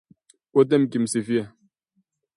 Wote mkisifia